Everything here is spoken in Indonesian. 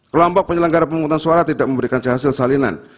kelompok penyelenggara pemungutan suara tidak memberikan hasil salinan